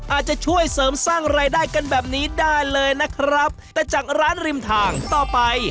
อาจจะช่วยเสริมสร้างรายได้กันแบบนี้ได้เลยนะครับแต่จากร้านริมทางต่อไป